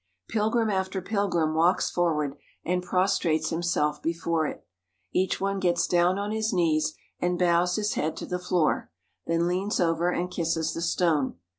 Pilgrim after pilgrim walks forward and prostrates himself before it. Each one gets down on his knees, and bows his head to the floor, then leans over and kisses the stone.